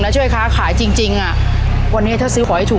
นะใช่ไหมคะขายจริงจริงอ่ะวันนี้ถ้าซื้อขอให้ถูก